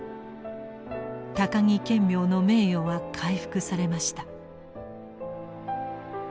高木顕明の名誉は回復されました。